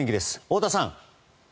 太田さん。